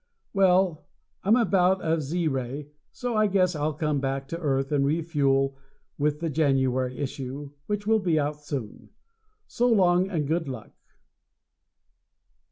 Well, I'm about out of Z ray so I guess I'll come back to earth and refuel with the January issue, which will be out soon. So long and good luck.